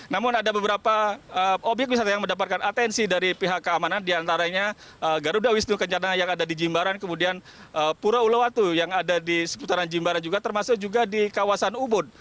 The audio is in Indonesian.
namun ada beberapa obyek wisata yang mendapatkan atensi dari pihak keamanan diantaranya garuda wisnu kencana yang ada di jimbaran kemudian pura ulawatu yang ada di seputaran jimbaran juga termasuk juga di kawasan ubud